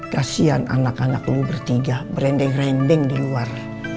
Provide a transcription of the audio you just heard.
kasian anak anak lu bertiga berendeng rendeng di luar